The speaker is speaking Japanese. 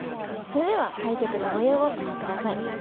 それでは対局の模様をご覧ください。